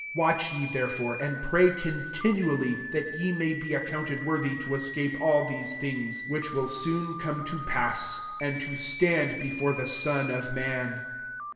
36 Watch ye therefore, and pray continually, that ye may be ac counted worthy to escape all these things, which will soon come to pass, and to stand be fore the Son of man."